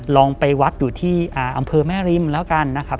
ลองไปวัดอยู่ที่อำเภอแม่ริมแล้วกันนะครับ